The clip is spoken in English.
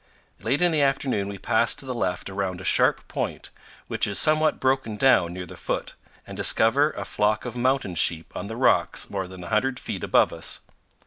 Late in the afternoon we pass to the left around a sharp point, which is somewhat broken down near the foot, and discover a flock of mountain sheep on the rocks more than a hundred feet above us.